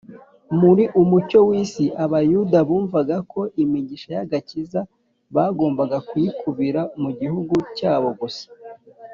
“muri umucyo w’isi” abayuda bumvaga ko imigisha y’agakiza bagomba kuyikubira ku gihugu cyabo gusa;